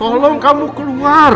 tolong kamu keluar